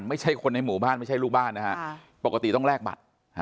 ไม่ใช่คนในหมู่บ้านไม่ใช่ลูกบ้านนะฮะปกติต้องแลกบัตร